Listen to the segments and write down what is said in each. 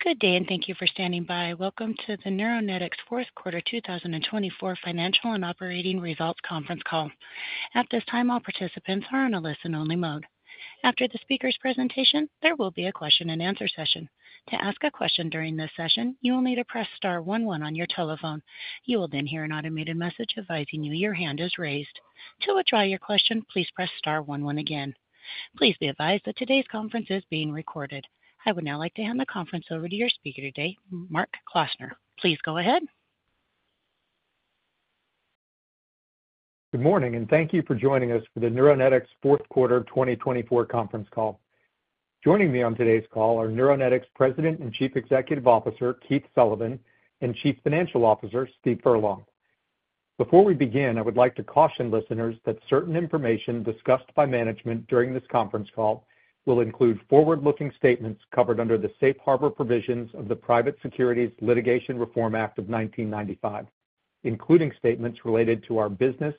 Good day, and thank you for standing by. Welcome to the Neuronetics Fourth Quarter 2024 Financial and Operating Results Conference Call. At this time, all participants are on a listen-only mode. After the speaker's presentation, there will be a question-and-answer session. To ask a question during this session, you will need to press star one one on your telephone. You will then hear an automated message advising you your hand is raised. To withdraw your question, please press star one one again. Please be advised that today's conference is being recorded. I would now like to hand the conference over to your speaker today, Mark Klausner. Please go ahead. Good morning, and thank you for joining us for the Neuronetics Fourth Quarter 2024 Conference Call. Joining me on today's call are Neuronetics President and Chief Executive Officer Keith Sullivan and Chief Financial Officer Steve Furlong. Before we begin, I would like to caution listeners that certain information discussed by management during this conference call will include forward-looking statements covered under the Safe Harbor Provisions of the Private Securities Litigation Reform Act of 1995, including statements related to our business,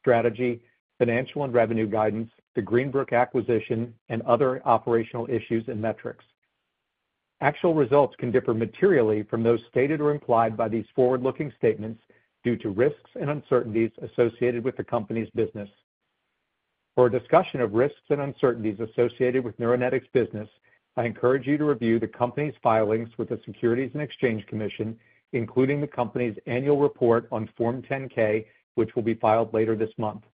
strategy, financial and revenue guidance, the Greenbrook acquisition, and other operational issues and metrics. Actual results can differ materially from those stated or implied by these forward-looking statements due to risks and uncertainties associated with the company's business. For a discussion of risks and uncertainties associated with Neuronetics business, I encourage you to review the company's filings with the Securities and Exchange Commission, including the company's annual report on Form 10-K, which will be filed later this month.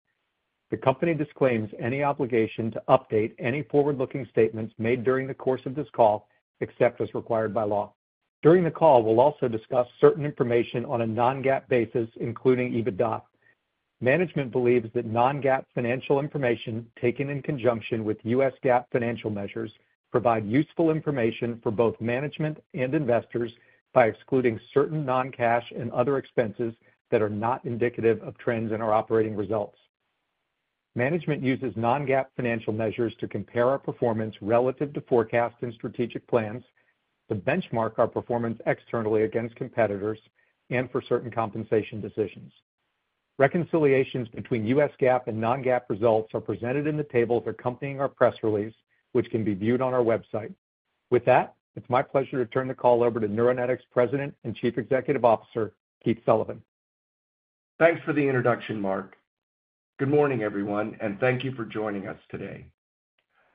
The company disclaims any obligation to update any forward-looking statements made during the course of this call, except as required by law. During the call, we'll also discuss certain information on a non-GAAP basis, including EBITDA. Management believes that non-GAAP financial information taken in conjunction with U.S. GAAP financial measures provides useful information for both management and investors by excluding certain non-cash and other expenses that are not indicative of trends in our operating results. Management uses non-GAAP financial measures to compare our performance relative to forecasts and strategic plans to benchmark our performance externally against competitors and for certain compensation decisions. Reconciliations between U.S. GAAP and non-GAAP results are presented in the tables accompanying our press release, which can be viewed on our website. With that, it's my pleasure to turn the call over to Neuronetics President and Chief Executive Officer Keith Sullivan. Thanks for the introduction, Mark. Good morning, everyone, and thank you for joining us today.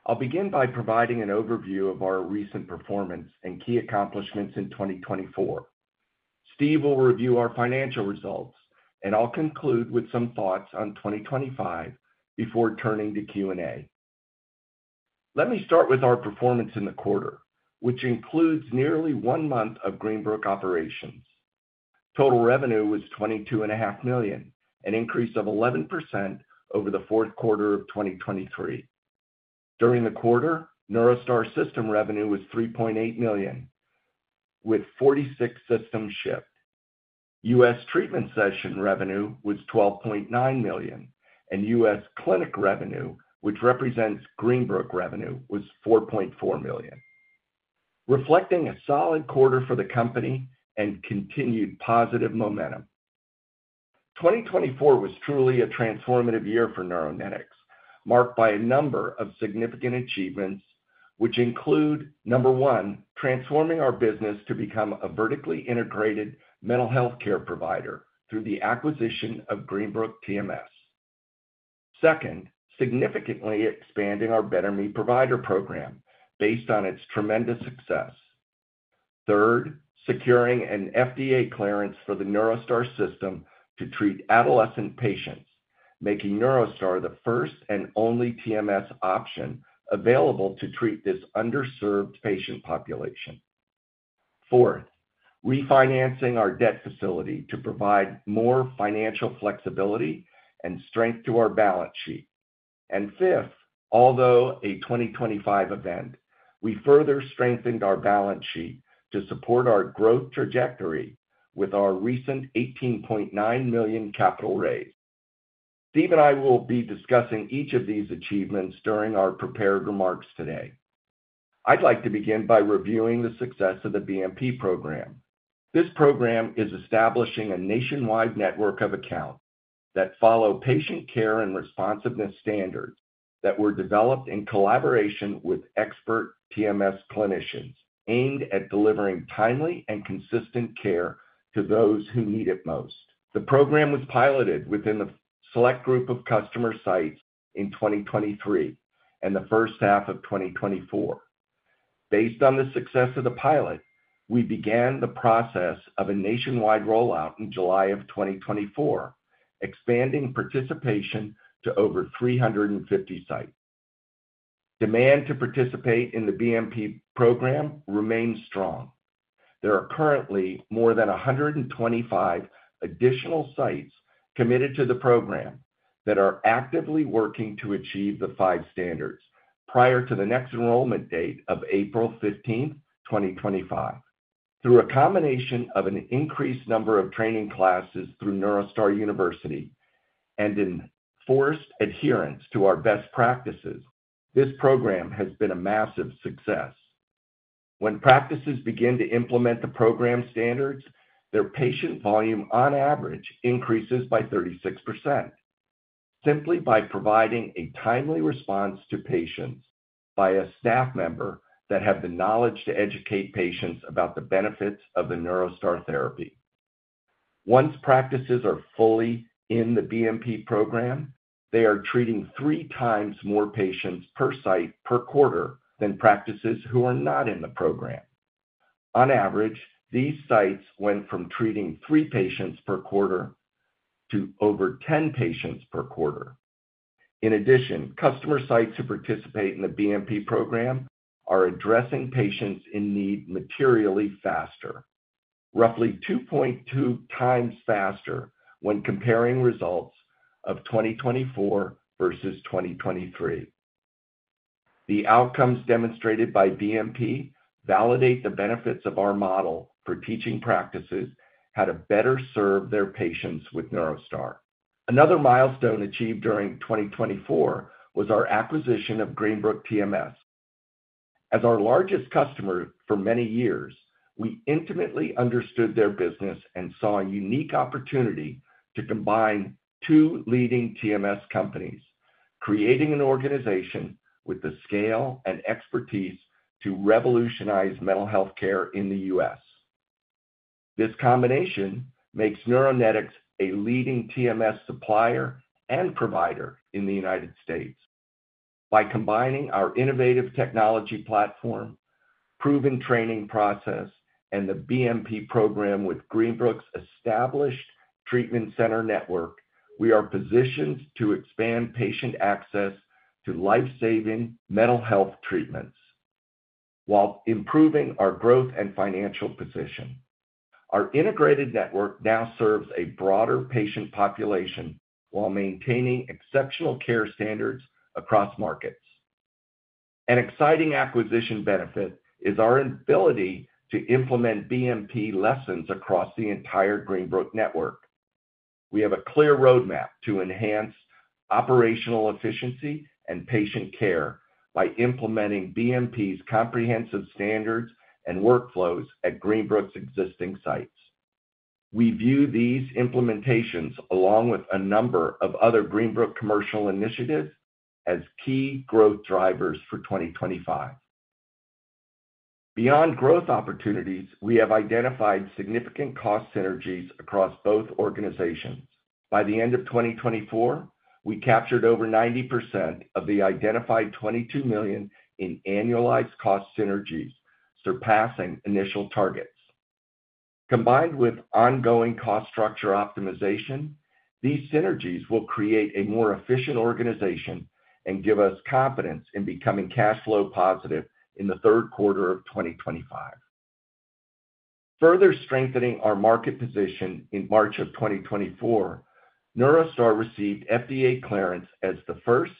I'll begin by providing an overview of our recent performance and key accomplishments in 2024. Steve will review our financial results, and I'll conclude with some thoughts on 2025 before turning to Q&A. Let me start with our performance in the quarter, which includes nearly one month of Greenbrook operations. Total revenue was $22.5 million, an increase of 11% over the fourth quarter of 2023. During the quarter, NeuroStar system revenue was $3.8 million, with 46 systems shipped. U.S. treatment session revenue was $12.9 million, and U.S. clinic revenue, which represents Greenbrook revenue, was $4.4 million, reflecting a solid quarter for the company and continued positive momentum. 2024 was truly a transformative year for Neuronetics, marked by a number of significant achievements, which include: number one, transforming our business to become a vertically integrated mental health care provider through the acquisition of Greenbrook TMS; second, significantly expanding our Better Me Provider program based on its tremendous success; third, securing an FDA clearance for the NeuroStar system to treat adolescent patients, making NeuroStar the first and only TMS option available to treat this underserved patient population; fourth, refinancing our debt facility to provide more financial flexibility and strength to our balance sheet; and fifth, although a 2025 event, we further strengthened our balance sheet to support our growth trajectory with our recent $18.9 million capital raise. Steve and I will be discussing each of these achievements during our prepared remarks today. I'd like to begin by reviewing the success of the BMP program. This program is establishing a nationwide network of accounts that follow patient care and responsiveness standards that were developed in collaboration with expert TMS clinicians, aimed at delivering timely and consistent care to those who need it most. The program was piloted within a select group of customer sites in 2023 and the first half of 2024. Based on the success of the pilot, we began the process of a nationwide rollout in July of 2024, expanding participation to over 350 sites. Demand to participate in the BMP program remains strong. There are currently more than 125 additional sites committed to the program that are actively working to achieve the five standards prior to the next enrollment date of April 15, 2025. Through a combination of an increased number of training classes through NeuroStar University and enforced adherence to our best practices, this program has been a massive success. When practices begin to implement the program standards, their patient volume on average increases by 36% simply by providing a timely response to patients by a staff member that has the knowledge to educate patients about the benefits of the NeuroStar therapy. Once practices are fully in the BMP program, they are treating 3x more patients per site per quarter than practices who are not in the program. On average, these sites went from treating three patients per quarter to over 10 patients per quarter. In addition, customer sites who participate in the BMP program are addressing patients in need materially faster, roughly 2.2x faster when comparing results of 2024 versus 2023. The outcomes demonstrated by BMP validate the benefits of our model for teaching practices how to better serve their patients with NeuroStar. Another milestone achieved during 2024 was our acquisition of Greenbrook TMS. As our largest customer for many years, we intimately understood their business and saw a unique opportunity to combine two leading TMS companies, creating an organization with the scale and expertise to revolutionize mental health care in the U.S. This combination makes Neuronetics a leading TMS supplier and provider in the United States. By combining our innovative technology platform, proven training process, and the BMP program with Greenbrook's established treatment center network, we are positioned to expand patient access to lifesaving mental health treatments while improving our growth and financial position. Our integrated network now serves a broader patient population while maintaining exceptional care standards across markets. An exciting acquisition benefit is our ability to implement BMP lessons across the entire Greenbrook network. We have a clear roadmap to enhance operational efficiency and patient care by implementing BMP's comprehensive standards and workflows at Greenbrook's existing sites. We view these implementations, along with a number of other Greenbrook commercial initiatives, as key growth drivers for 2025. Beyond growth opportunities, we have identified significant cost synergies across both organizations. By the end of 2024, we captured over 90% of the identified $22 million in annualized cost synergies, surpassing initial targets. Combined with ongoing cost structure optimization, these synergies will create a more efficient organization and give us confidence in becoming cash flow positive in the third quarter of 2025. Further strengthening our market position in March of 2024, NeuroStar received FDA clearance as the first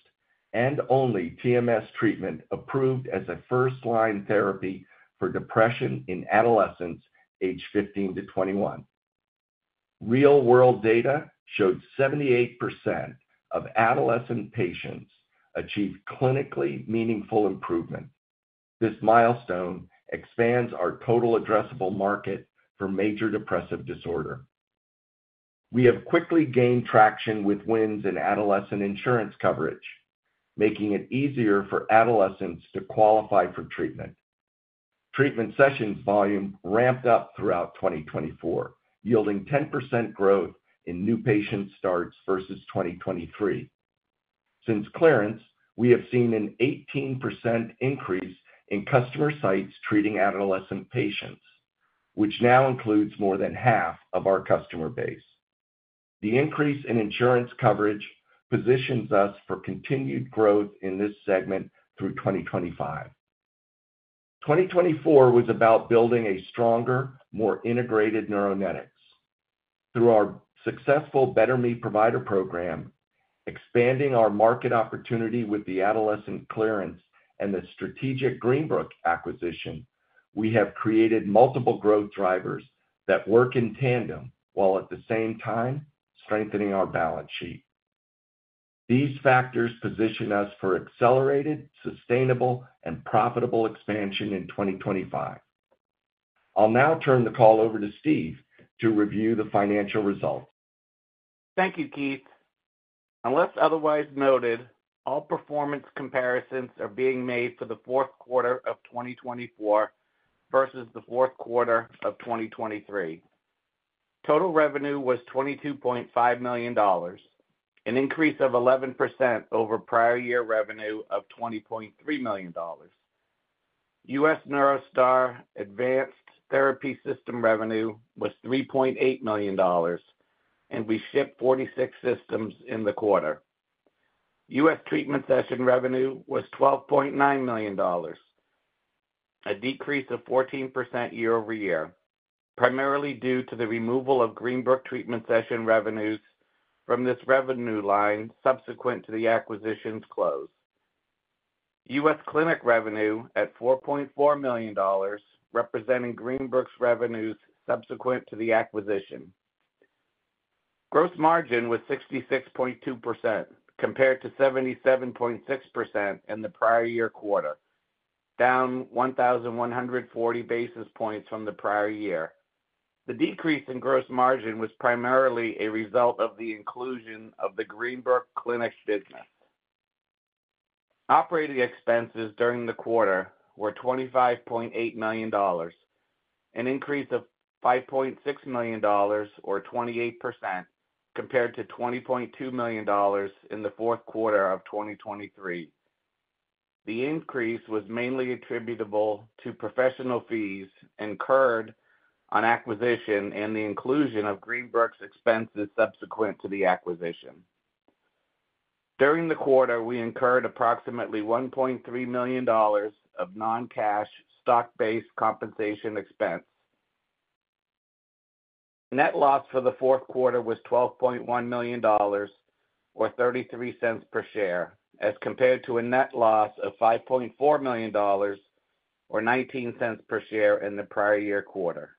and only TMS treatment approved as a first-line therapy for depression in adolescents aged 15 to 21. Real-world data showed 78% of adolescent patients achieved clinically meaningful improvement. This milestone expands our total addressable market for major depressive disorder. We have quickly gained traction with wins in adolescent insurance coverage, making it easier for adolescents to qualify for treatment. Treatment session volume ramped up throughout 2024, yielding 10% growth in new patient starts versus 2023. Since clearance, we have seen an 18% increase in customer sites treating adolescent patients, which now includes more than half of our customer base. The increase in insurance coverage positions us for continued growth in this segment through 2025. 2024 was about building a stronger, more integrated Neuronetics. Through our successful Better Me Provider program, expanding our market opportunity with the adolescent clearance and the strategic Greenbrook acquisition, we have created multiple growth drivers that work in tandem while at the same time strengthening our balance sheet. These factors position us for accelerated, sustainable, and profitable expansion in 2025. I'll now turn the call over to Steve to review the financial results. Thank you, Keith. What's otherwise noted? All performance comparisons are being made for the fourth quarter of 2024 versus the fourth quarter of 2023. Total revenue was $22.5 million, an increase of 11% over prior year revenue of $20.3 million. U.S. NeuroStar Advanced Therapy System revenue was $3.8 million, and we shipped 46 systems in the quarter. U.S. treatment session revenue was $12.9 million, a decrease of 14% year-over-year, primarily due to the removal of Greenbrook treatment session revenues from this revenue line subsequent to the acquisition's close. U.S. clinic revenue at $4.4 million, representing Greenbrook's revenues subsequent to the acquisition. Gross margin was 66.2% compared to 77.6% in the prior year quarter, down 1,140 basis points from the prior year. The decrease in gross margin was primarily a result of the inclusion of the Greenbrook clinic business. Operating expenses during the quarter were $25.8 million, an increase of $5.6 million, or 28%, compared to $20.2 million in the fourth quarter of 2023. The increase was mainly attributable to professional fees incurred on acquisition and the inclusion of Greenbrook's expenses subsequent to the acquisition. During the quarter, we incurred approximately $1.3 million of non-cash stock-based compensation expense. Net loss for the fourth quarter was $12.1 million, or $0.33 per share, as compared to a net loss of $5.4 million, or $0.19 per share in the prior year quarter.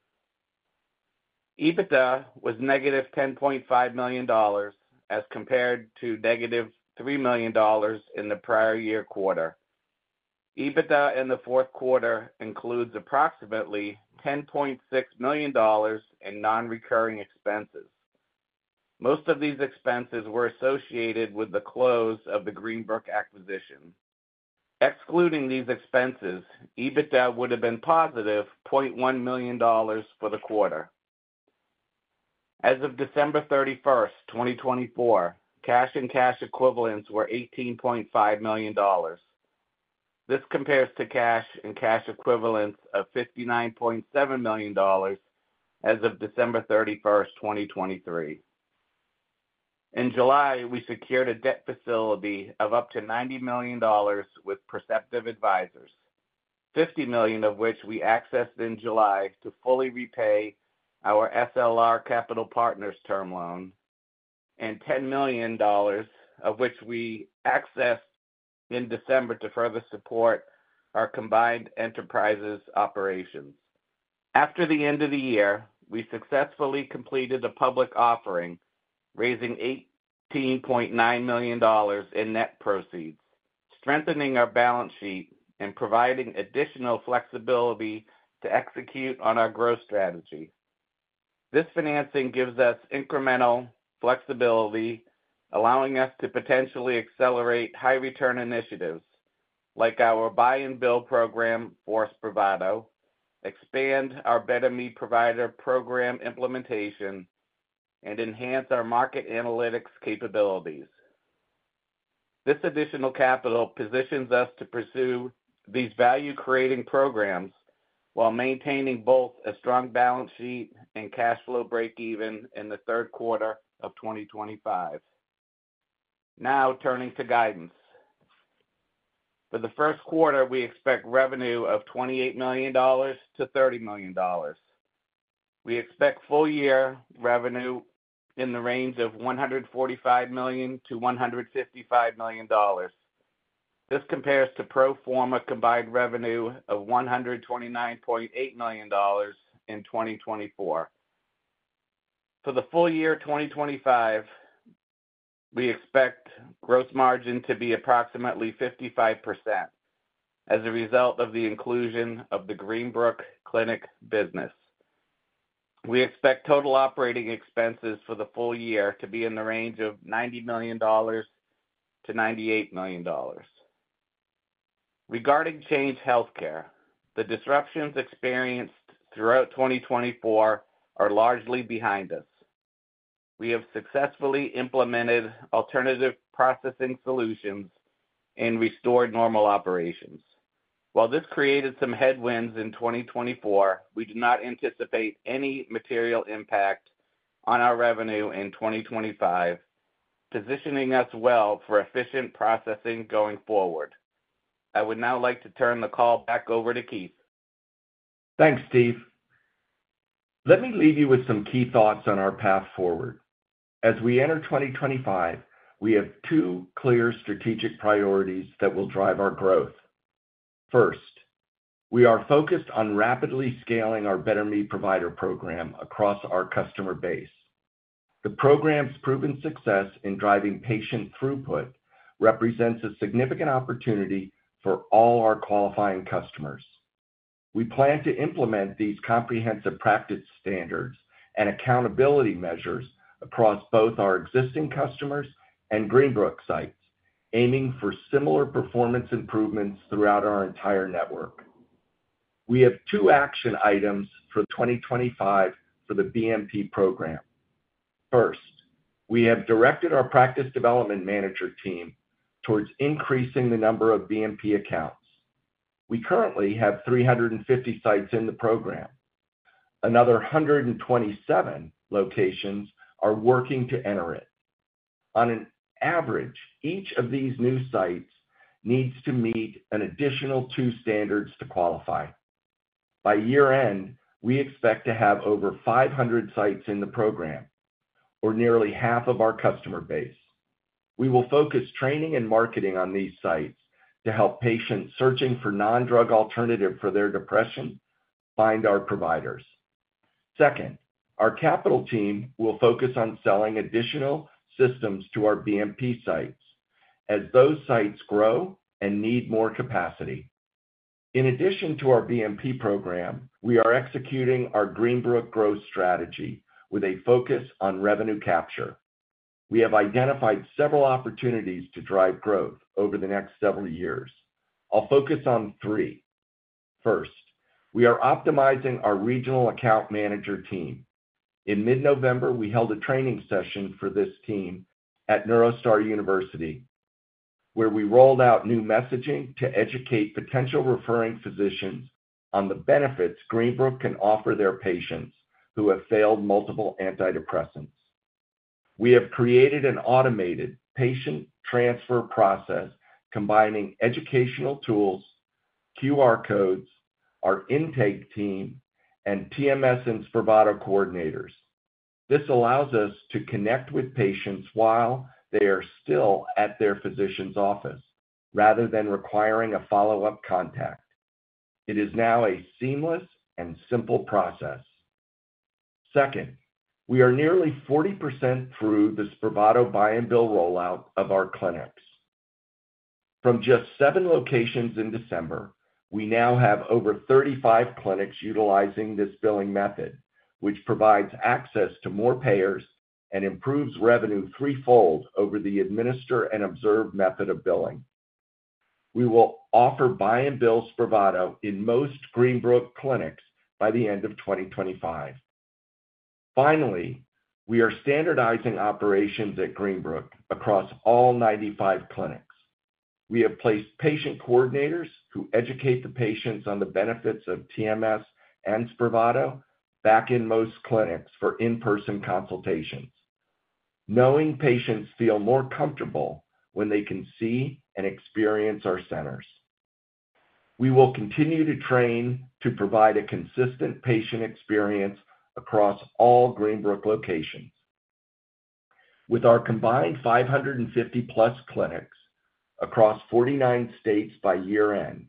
EBITDA was -$10.5 million as compared to -$3 million in the prior year quarter. EBITDA in the fourth quarter includes approximately $10.6 million in non-recurring expenses. Most of these expenses were associated with the close of the Greenbrook acquisition. Excluding these expenses, EBITDA would have been +$0.1 million for the quarter. As of December 31, 2024, cash and cash equivalents were $18.5 million. This compares to cash and cash equivalents of $59.7 million as of December 31, 2023. In July, we secured a debt facility of up to $90 million with Perceptive Advisors, $50 million of which we accessed in July to fully repay our SLR Capital Partners term loan, and $10 million of which we accessed in December to further support our combined enterprises operations. After the end of the year, we successfully completed a public offering, raising $18.9 million in net proceeds, strengthening our balance sheet and providing additional flexibility to execute on our growth strategy. This financing gives us incremental flexibility, allowing us to potentially accelerate high-return initiatives like our Buy and Bill program for Spravato, expand our Better Me Provider program implementation, and enhance our market analytics capabilities. This additional capital positions us to pursue these value-creating programs while maintaining both a strong balance sheet and cash flow breakeven in the third quarter of 2025. Now turning to guidance. For the first quarter, we expect revenue of $28 million-$30 million. We expect full-year revenue in the range of $145 million-$155 million. This compares to pro forma combined revenue of $129.8 million in 2024. For the full year 2025, we expect gross margin to be approximately 55% as a result of the inclusion of the Greenbrook clinic business. We expect total operating expenses for the full year to be in the range of $90 million-$98 million. Regarding Change Healthcare, the disruptions experienced throughout 2024 are largely behind us. We have successfully implemented alternative processing solutions and restored normal operations. While this created some headwinds in 2024, we do not anticipate any material impact on our revenue in 2025, positioning us well for efficient processing going forward. I would now like to turn the call back over to Keith. Thanks, Steve. Let me leave you with some key thoughts on our path forward. As we enter 2025, we have two clear strategic priorities that will drive our growth. First, we are focused on rapidly scaling our Better Me Provider program across our customer base. The program's proven success in driving patient throughput represents a significant opportunity for all our qualifying customers. We plan to implement these comprehensive practice standards and accountability measures across both our existing customers and Greenbrook sites, aiming for similar performance improvements throughout our entire network. We have two action items for 2025 for the BMP program. First, we have directed our practice development manager team towards increasing the number of BMP accounts. We currently have 350 sites in the program. Another 127 locations are working to enter it. On an average, each of these new sites needs to meet an additional two standards to qualify. By year-end, we expect to have over 500 sites in the program, or nearly half of our customer base. We will focus training and marketing on these sites to help patients searching for non-drug alternatives for their depression find our providers. Second, our capital team will focus on selling additional systems to our BMP sites as those sites grow and need more capacity. In addition to our BMP program, we are executing our Greenbrook growth strategy with a focus on revenue capture. We have identified several opportunities to drive growth over the next several years. I'll focus on three. First, we are optimizing our regional account manager team. In mid-November, we held a training session for this team at NeuroStar University, where we rolled out new messaging to educate potential referring physicians on the benefits Greenbrook can offer their patients who have failed multiple antidepressants. We have created an automated patient transfer process combining educational tools, QR codes, our intake team, and TMS and Spravato coordinators. This allows us to connect with patients while they are still at their physician's office rather than requiring a follow-up contact. It is now a seamless and simple process. Second, we are nearly 40% through the Spravato Buy and Bill rollout of our clinics. From just seven locations in December, we now have over 35 clinics utilizing this billing method, which provides access to more payers and improves revenue threefold over the administer and observe method of billing. We will offer Buy and Bill Spravato in most Greenbrook clinics by the end of 2025. Finally, we are standardizing operations at Greenbrook across all 95 clinics. We have placed patient coordinators who educate the patients on the benefits of TMS and Spravato back in most clinics for in-person consultations, knowing patients feel more comfortable when they can see and experience our centers. We will continue to train to provide a consistent patient experience across all Greenbrook locations. With our combined 550+ clinics across 49 states by year-end,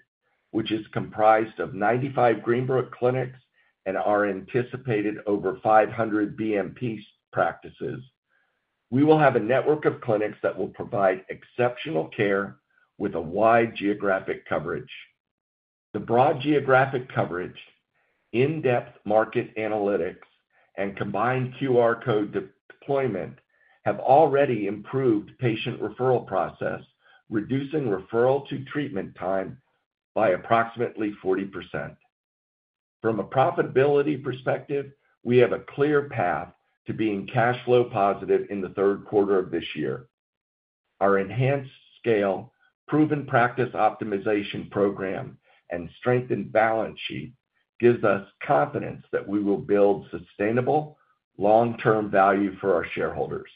which is comprised of 95 Greenbrook clinics and our anticipated over 500 BMP practices, we will have a network of clinics that will provide exceptional care with a wide geographic coverage. The broad geographic coverage, in-depth market analytics, and combined QR code deployment have already improved the patient referral process, reducing referral to treatment time by approximately 40%. From a profitability perspective, we have a clear path to being cash flow positive in the third quarter of this year. Our enhanced scale, proven practice optimization program, and strengthened balance sheet give us confidence that we will build sustainable, long-term value for our shareholders.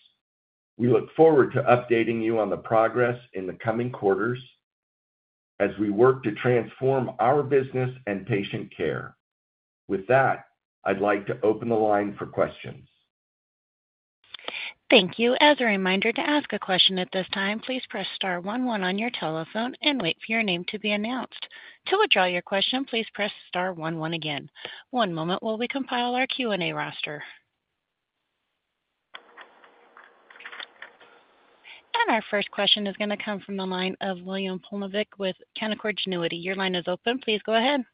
We look forward to updating you on the progress in the coming quarters as we work to transform our business and patient care. With that, I'd like to open the line for questions. Thank you. As a reminder, to ask a question at this time, please press star one one on your telephone and wait for your name to be announced. To withdraw your question, please press star one one again. One moment while we compile our Q&A roster. Our first question is going to come from the line of William Plovanic with Canaccord Genuity. Your line is open. Please go ahead.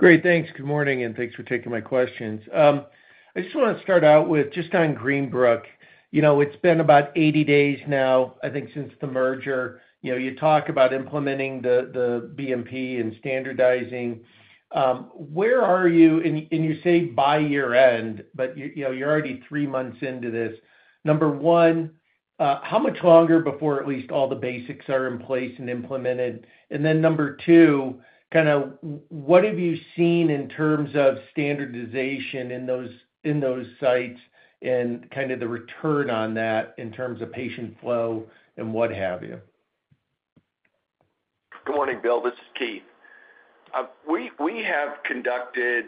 Great. Thanks. Good morning, and thanks for taking my questions. I just want to start out with just on Greenbrook. You know, it's been about 80 days now, I think, since the merger. You know, you talk about implementing the BMP and standardizing. Where are you? You say by year-end, but you're already three months into this. Number one, how much longer before at least all the basics are in place and implemented? Number two, kind of what have you seen in terms of standardization in those sites and kind of the return on that in terms of patient flow and what have you? Good morning, Bill. This is Keith. We have conducted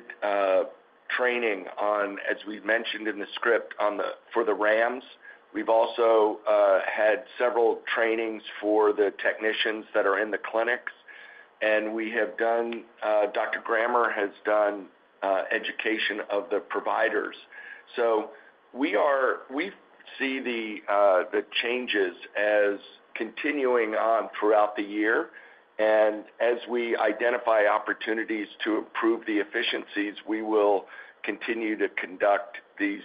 training on, as we mentioned in the script, for the RAMs. We have also had several trainings for the technicians that are in the clinics. We have done, Dr. Grammer has done education of the providers. We see the changes as continuing on throughout the year. As we identify opportunities to improve the efficiencies, we will continue to conduct these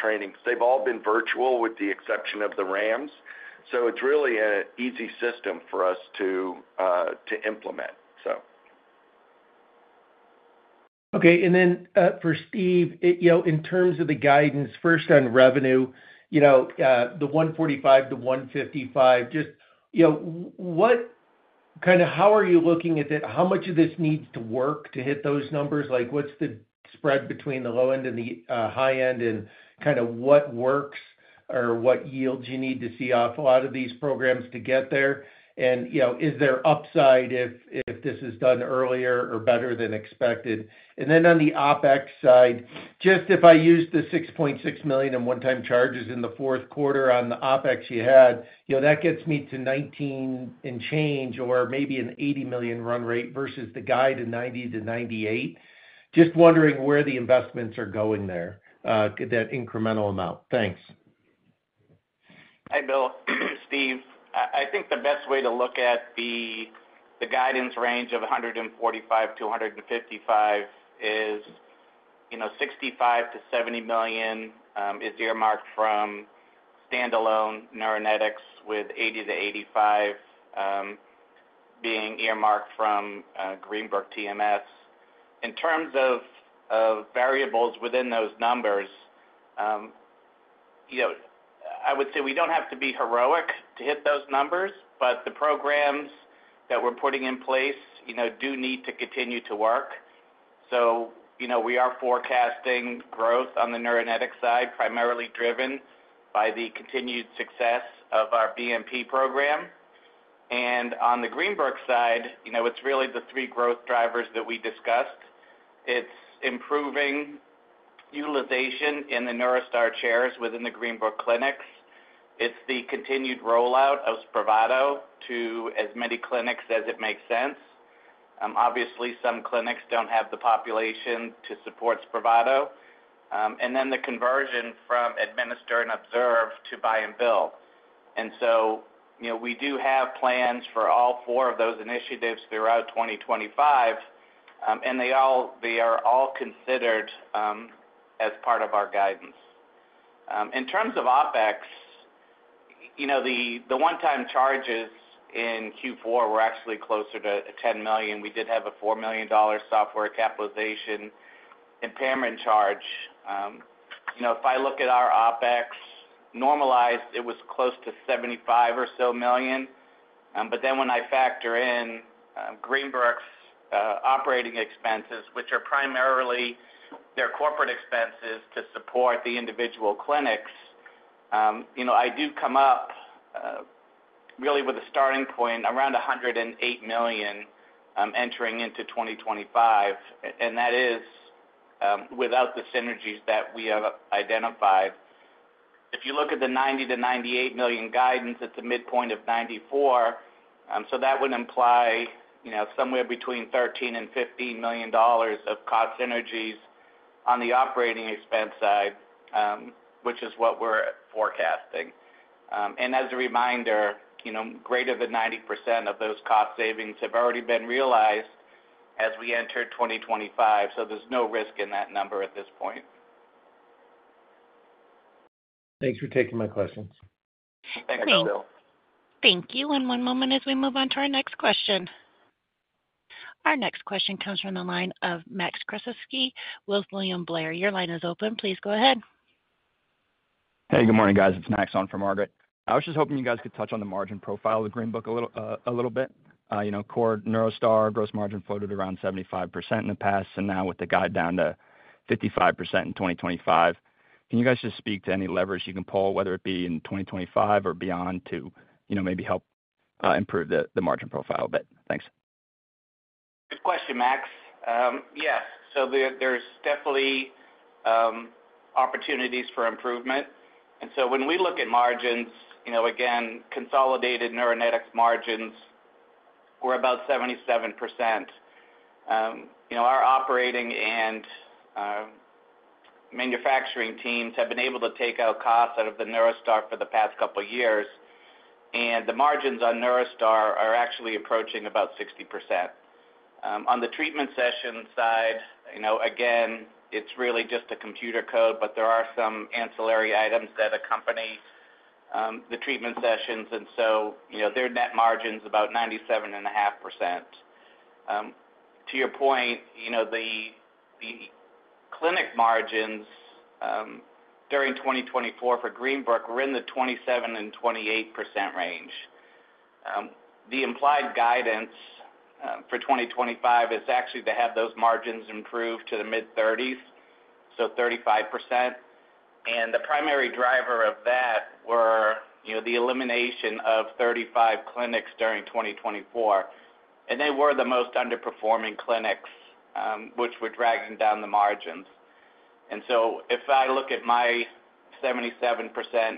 trainings. They have all been virtual with the exception of the RAMs. It is really an easy system for us to implement. Okay. And then for Steve, in terms of the guidance, first on revenue, you know, the $145 million-$155 million, just what kind of how are you looking at that? How much of this needs to work to hit those numbers? Like, what's the spread between the low end and the high end and kind of what works or what yields you need to see off a lot of these programs to get there? And is there upside if this is done earlier or better than expected? And then on the OpEx side, just if I use the $6.6 million in one-time charges in the fourth quarter on the OpEx you had, you know, that gets me to $19 million and change or maybe an $80 million run rate versus the guide of $90 million-$98 million. Just wondering where the investments are going there, that incremental amount. Thanks. Hi, Bill. Steve, I think the best way to look at the guidance range of $145 million-$155 million is, you know, $65 million-$70 million is earmarked from standalone Neuronetics with $80 million-$85 million being earmarked from Greenbrook TMS. In terms of variables within those numbers, you know, I would say we don't have to be heroic to hit those numbers, but the programs that we're putting in place, you know, do need to continue to work. You know, we are forecasting growth on the Neuronetics side, primarily driven by the continued success of our BMP program. And on the Greenbrook side, you know, it's really the three growth drivers that we discussed. It's improving utilization in the NeuroStar chairs within the Greenbrook clinics. It's the continued rollout of Spravato to as many clinics as it makes sense. Obviously, some clinics don't have the population to support Spravato. The conversion from administer and observe to Buy and Bill. You know, we do have plans for all four of those initiatives throughout 2025, and they are all considered as part of our guidance. In terms of OpEx, you know, the one-time charges in Q4 were actually closer to $10 million. We did have a $4 million software capitalization impairment charge. You know, if I look at our OpEx normalized, it was close to $75 million or so. But then when I factor in Greenbrook's operating expenses, which are primarily their corporate expenses to support the individual clinics, you know, I do come up really with a starting point around $108 million entering into 2025. That is without the synergies that we have identified. If you look at the $90 million-$98 million guidance, it is a midpoint of $94 million. That would imply, you know, somewhere between $13 million-$15 million of cost synergies on the operating expense side, which is what we're forecasting. And as a reminder, you know, greater than 90% of those cost savings have already been realized as we enter 2025. So there's no risk in that number at this point. Thanks for taking my questions. Thanks, Bill. Thank you. One moment as we move on to our next question. Our next question comes from the line of Max Kruszeski with William Blair. Your line is open. Please go ahead. Hey, good morning, guys. It's Max on for Margaret. I was just hoping you guys could touch on the margin profile of Greenbrook a little bit. You know, core NeuroStar gross margin floated around 75% in the past, and now with the guide down to 55% in 2025, can you guys just speak to any levers you can pull, whether it be in 2025 or beyond, to, you know, maybe help improve the margin profile a bit? Thanks. Good question, Max. Yes. There's definitely opportunities for improvement. When we look at margins, you know, again, consolidated Neuronetics margins were about 77%. You know, our operating and manufacturing teams have been able to take out costs out of the NeuroStar for the past couple of years. The margins on NeuroStar are actually approaching about 60%. On the treatment session side, you know, again, it's really just the computer code, but there are some ancillary items that accompany the treatment sessions. You know, their net margin is about 97.5%. To your point, you know, the clinic margins during 2024 for Greenbrook were in the 27%-28% range. The implied guidance for 2025 is actually to have those margins improve to the mid-30s, so 35%. The primary driver of that were, you know, the elimination of 35 clinics during 2024. They were the most underperforming clinics, which were dragging down the margins. If I look at my 77%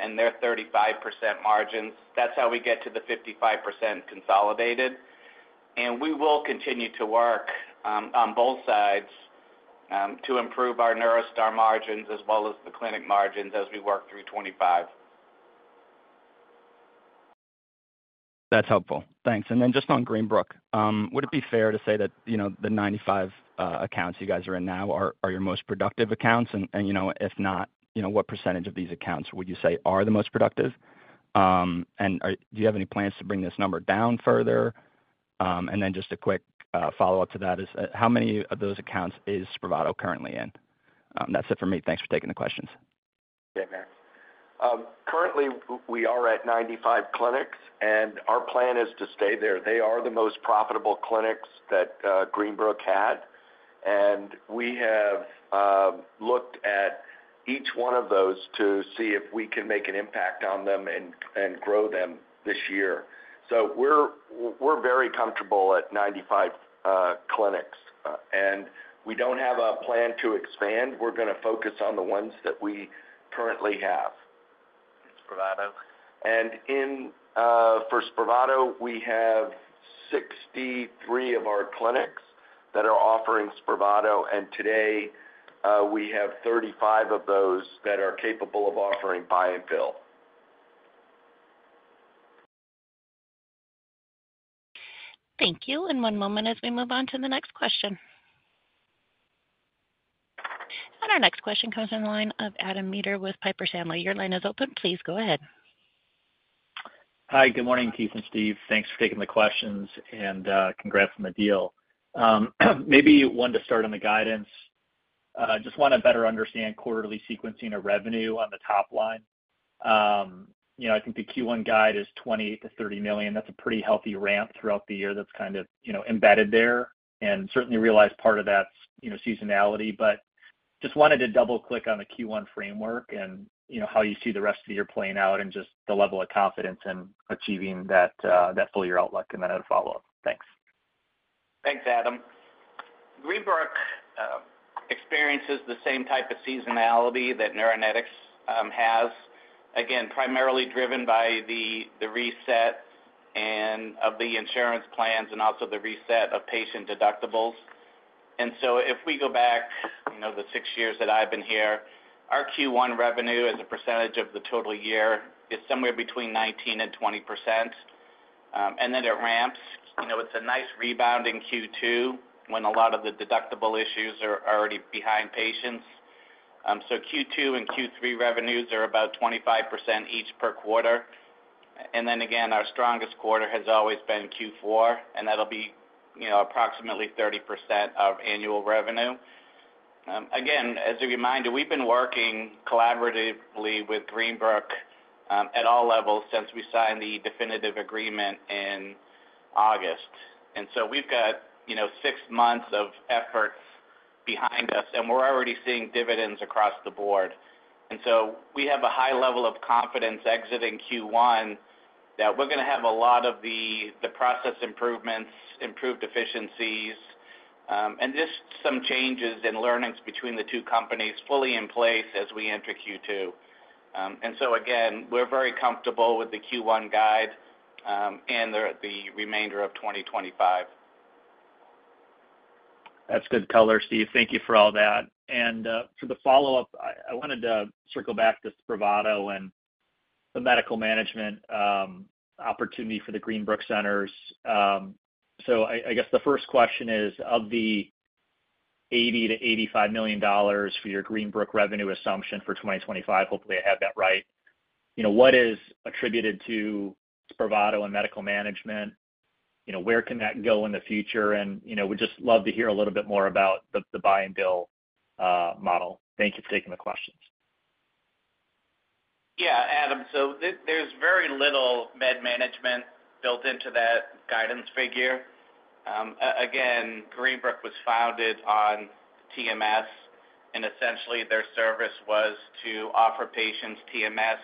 and their 35% margins, that's how we get to the 55% consolidated. We will continue to work on both sides to improve our NeuroStar margins as well as the clinic margins as we work through 2025. That's helpful. Thanks. Just on Greenbrook, would it be fair to say that, you know, the 95 accounts you guys are in now are your most productive accounts? If not, you know, what percentage of these accounts would you say are the most productive? Do you have any plans to bring this number down further? Just a quick follow-up to that is how many of those accounts is Spravato currently in? That's it for me. Thanks for taking the questions. Okay, Max. Currently, we are at 95 clinics, and our plan is to stay there. They are the most profitable clinics that Greenbrook had. We have looked at each one of those to see if we can make an impact on them and grow them this year. We are very comfortable at 95 clinics. We do not have a plan to expand. We are going to focus on the ones that we currently have. It's Spravato. For Spravato, we have 63 of our clinics that are offering Spravato. Today, we have 35 of those that are capable of offering Buy and Bill. Thank you. One moment as we move on to the next question. Our next question comes in the line of Adam Maeder with Piper Sandler. Your line is open. Please go ahead. Hi, good morning, Keith and Steve. Thanks for taking the questions and congrats on the deal. Maybe one to start on the guidance. I just want to better understand quarterly sequencing of revenue on the top line. You know, I think the Q1 guide is $28 million-$30 million. That's a pretty healthy ramp throughout the year that's kind of, you know, embedded there. And certainly realize part of that's, you know, seasonality. Just wanted to double-click on the Q1 framework and, you know, how you see the rest of the year playing out and just the level of confidence in achieving that full year outlook and then a follow-up. Thanks. Thanks, Adam. Greenbrook experiences the same type of seasonality that Neuronetics has, again, primarily driven by the reset of the insurance plans and also the reset of patient deductibles. If we go back, you know, the six years that I've been here, our Q1 revenue as a percentage of the total year is somewhere between 19%-20%. It ramps. You know, it's a nice rebound in Q2 when a lot of the deductible issues are already behind patients. Q2 and Q3 revenues are about 25% each per quarter. Our strongest quarter has always been Q4, and that'll be, you know, approximately 30% of annual revenue. Again, as a reminder, we've been working collaboratively with Greenbrook at all levels since we signed the definitive agreement in August. We've got, you know, six months of efforts behind us, and we're already seeing dividends across the board. We have a high level of confidence exiting Q1 that we're going to have a lot of the process improvements, improved efficiencies, and just some changes and learnings between the two companies fully in place as we enter Q2. Again, we're very comfortable with the Q1 guide and the remainder of 2025. That's good color, Steve. Thank you for all that. For the follow-up, I wanted to circle back to Spravato and the medical management opportunity for the Greenbrook centers. I guess the first question is, of the $80 million-$85 million for your Greenbrook revenue assumption for 2025, hopefully I have that right, what is attributed to Spravato and medical management? Where can that go in the future? We'd just love to hear a little bit more about the Buy and Bill model. Thank you for taking the questions. Yeah, Adam. So there's very little med management built into that guidance figure. Again, Greenbrook was founded on TMS, and essentially their service was to offer patients TMS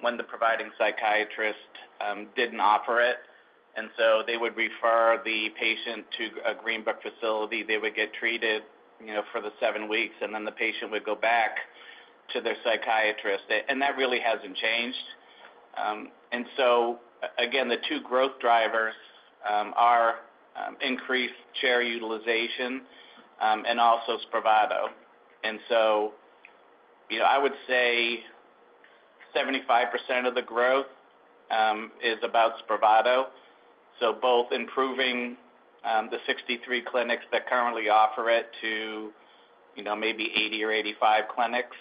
when the providing psychiatrist didn't offer it. They would refer the patient to a Greenbrook facility. They would get treated, you know, for the seven weeks, and then the patient would go back to their psychiatrist. That really hasn't changed. The two growth drivers are increased chair utilization and also Spravato. You know, I would say 75% of the growth is about Spravato. Both improving the 63 clinics that currently offer it to, you know, maybe 80 or 85 clinics,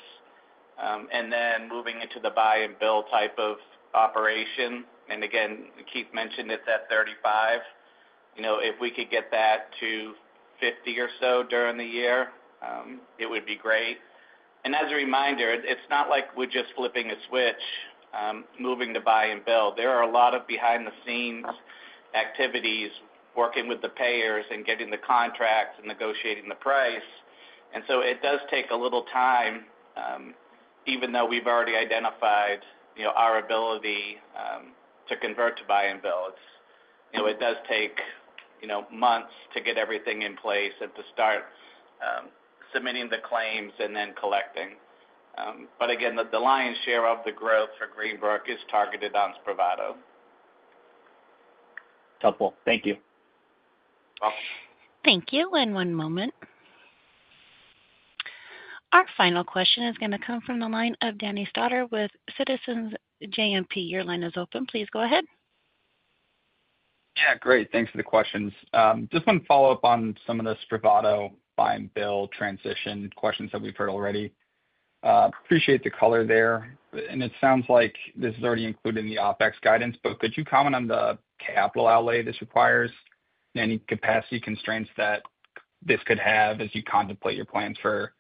and then moving into the Buy and Bill type of operation. Again, Keith mentioned it's at 35. You know, if we could get that to 50 or so during the year, it would be great. As a reminder, it's not like we're just flipping a switch, moving to Buy and Bill. There are a lot of behind-the-scenes activities working with the payers and getting the contracts and negotiating the price. It does take a little time, even though we've already identified, you know, our ability to convert to Buy and Bill. You know, it does take, you know, months to get everything in place and to start submitting the claims and then collecting. Again, the lion's share of the growth for Greenbrook is targeted on Spravato. Helpful. Thank you. Thank you. One moment. Our final question is going to come from the line of Danny Stauder with Citizens JMP. Your line is open. Please go ahead. Yeah, great. Thanks for the questions. Just want to follow up on some of the Spravato Buy and Bill transition questions that we've heard already. Appreciate the color there. It sounds like this is already included in the OpEx guidance, but could you comment on the capital outlay this requires? Any capacity constraints that this could have as you contemplate your plans for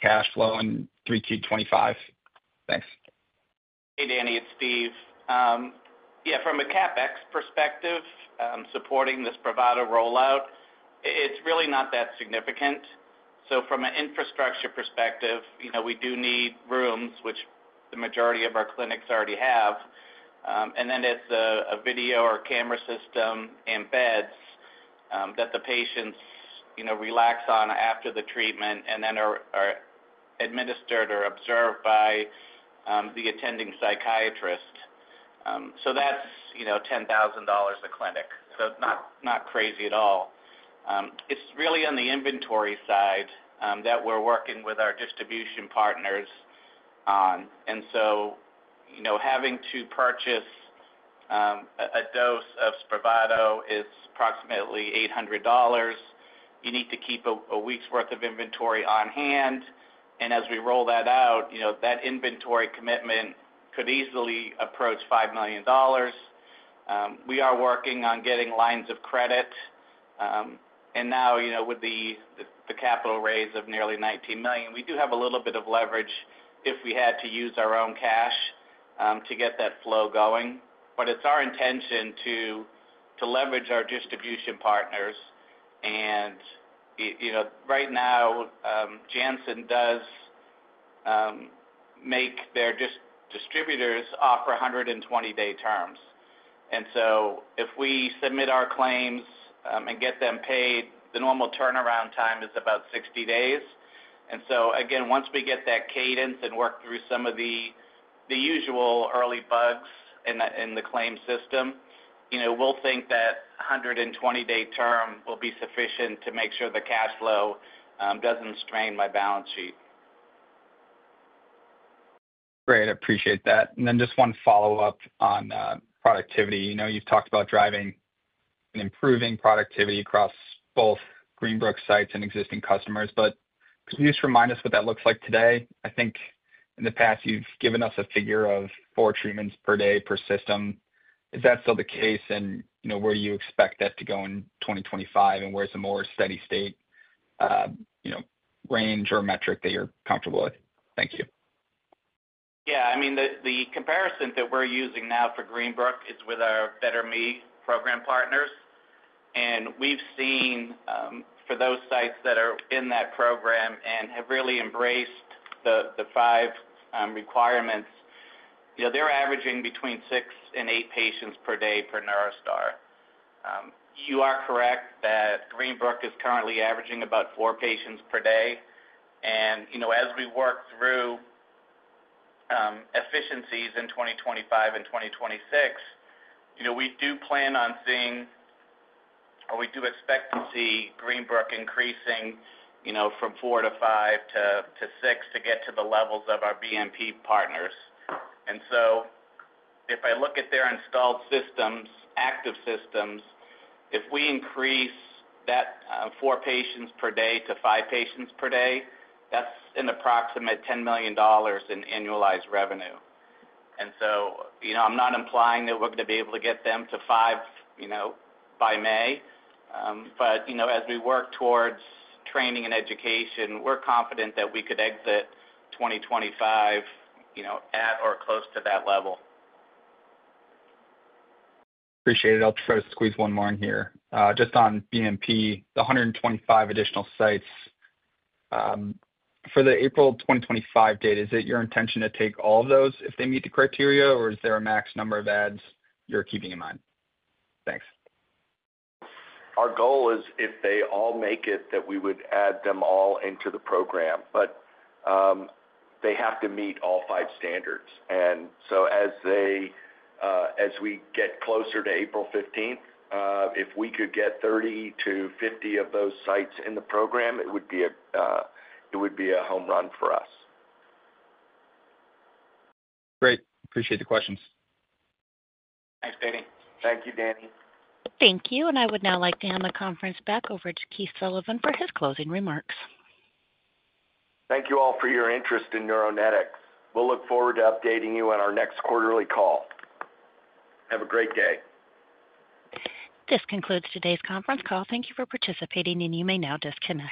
cash flow in 3Q 2025? Thanks. Hey, Danny, it's Steve. Yeah, from a CapEx perspective, supporting the Spravato rollout, it's really not that significant. From an infrastructure perspective, you know, we do need rooms, which the majority of our clinics already have. It is a video or camera system and beds that the patients, you know, relax on after the treatment and then are administered or observed by the attending psychiatrist. That is, you know, $10,000 a clinic. Not crazy at all. It's really on the inventory side that we're working with our distribution partners on. You know, having to purchase a dose of Spravato is approximately $800. You need to keep a week's worth of inventory on hand. As we roll that out, you know, that inventory commitment could easily approach $5 million. We are working on getting lines of credit. Now, you know, with the capital raise of nearly $19 million, we do have a little bit of leverage if we had to use our own cash to get that flow going. It is our intention to leverage our distribution partners. You know, right now, Janssen does make their distributors offer 120-day terms. If we submit our claims and get them paid, the normal turnaround time is about 60 days. Again, once we get that cadence and work through some of the usual early bugs in the claim system, you know, we will think that 120-day term will be sufficient to make sure the cash flow does not strain my balance sheet. Great. I appreciate that. Just one follow-up on productivity. You know, you've talked about driving and improving productivity across both Greenbrook sites and existing customers. Could you just remind us what that looks like today? I think in the past, you've given us a figure of four treatments per day per system. Is that still the case? You know, where do you expect that to go in 2025? Where's the more steady state, you know, range or metric that you're comfortable with? Thank you. Yeah. I mean, the comparison that we're using now for Greenbrook is with our Better Me program partners. And we've seen for those sites that are in that program and have really embraced the five requirements, you know, they're averaging between six and eight patients per day per NeuroStar. You are correct that Greenbrook is currently averaging about four patients per day. You know, as we work through efficiencies in 2025 and 2026, you know, we do plan on seeing, or we do expect to see Greenbrook increasing, you know, from four to five to six to get to the levels of our BNP partners. If I look at their installed systems, active systems, if we increase that four patients per day to five patients per day, that's an approximate $10 million in annualized revenue. You know, I'm not implying that we're going to be able to get them to five, you know, by May. You know, as we work towards training and education, we're confident that we could exit 2025, you know, at or close to that level. Appreciate it. I'll just try to squeeze one more in here. Just on BNP, the 125 additional sites, for the April 2025 date, is it your intention to take all of those if they meet the criteria, or is there a max number of ads you're keeping in mind? Thanks. Our goal is if they all make it, that we would add them all into the program. They have to meet all five standards. As we get closer to April 15th, if we could get 30-50 of those sites in the program, it would be a home run for us. Great. Appreciate the questions. Thanks, Danny. Thank you, Danny. Thank you. I would now like to hand the conference back over to Keith Sullivan for his closing remarks. Thank you all for your interest in Neuronetics. We'll look forward to updating you on our next quarterly call. Have a great day. This concludes today's conference call. Thank you for participating, and you may now disconnect.